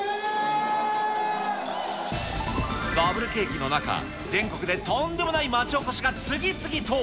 バブル景気の中、全国でとんでもない町おこしが次々と。